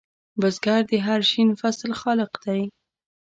بزګر د هر شین فصل خالق دی